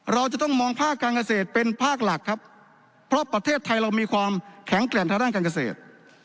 เราจะต้องมองภาคการเกษตรเป็นภาคหลักครับเพราะประเทศไทยเรามีความแข็งแกร่งทางด้านการเกษตร